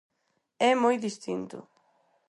É moi distinto.